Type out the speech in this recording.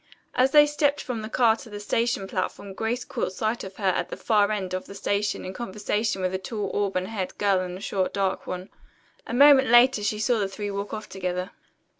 As they stepped from the car to the station platform Grace caught sight of her at the far end of the station in conversation with a tall auburn haired girl and a short dark one. A moment later she saw the three walk off together.